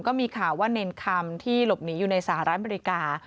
ก็มีข่าวว่าเนรคำที่หลบหนีอยู่ในสหรัฐอเมริกา